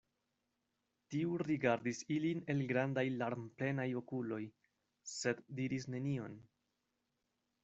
Tiu rigardis ilin el grandaj larmplenaj okuloj, sed diris nenion.